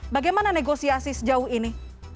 bagaimana negosiasi sejauh ini